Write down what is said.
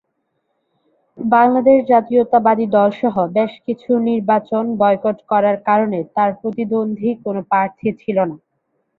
বাংলাদেশ জাতীয়তাবাদী দলসহ বেশকিছু দল নির্বাচন বয়কট করার কারণে তার প্রতিদ্বন্দ্বী কোন প্রার্থী ছিল না।